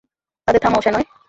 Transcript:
তাদের থামাও শেনয়!